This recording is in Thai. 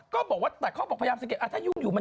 ก็บอกว่าแต่เขาบอกพยายามจะเก็ป